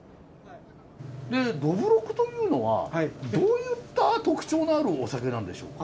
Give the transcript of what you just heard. どぶろくというのはどういった特徴のあるお酒なんでしょうか？